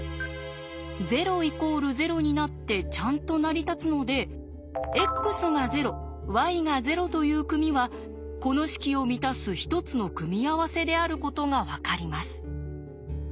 ちゃんと成り立つので「ｘが０ｙが０」という組はこの式を満たす一つの組み合わせであることが分かります。